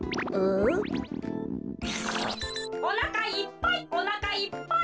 「おなかいっぱいおなかいっぱい！」。